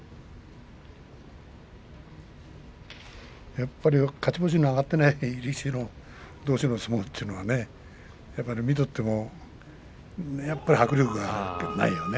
やっぱり、勝ち星の挙がっていない力士どうしの相撲というのはやっぱり見ていても迫力がないよね。